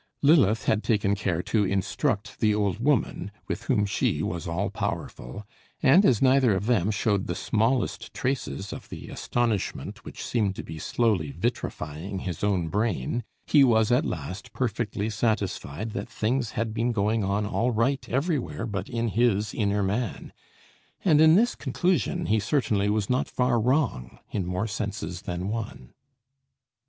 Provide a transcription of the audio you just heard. Lilith had taken care to instruct the old woman, with whom she was all powerful; and as neither of them showed the smallest traces of the astonishment which seemed to be slowly vitrifying his own brain, he was at last perfectly satisfied that things had been going on all right everywhere but in his inner man; and in this conclusion he certainly was not far wrong, in more senses than one.